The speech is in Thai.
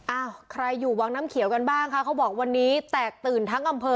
อ้าวใครอยู่วังน้ำเขียวกันบ้างคะเขาบอกวันนี้แตกตื่นทั้งอำเภอ